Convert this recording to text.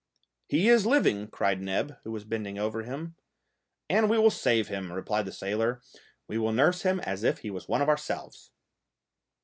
"He is living," cried Neb, who was bending over him. "And we will save him," replied the sailor. "We will nurse him as if he was one of ourselves."